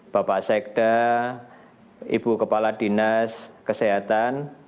bapak sekda ibu kepala dinas kesehatan